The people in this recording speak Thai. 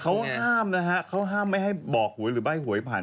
เขาห้ามนะฮะเขาห้ามไม่ให้บอกหวยหรือใบ้หวยผ่าน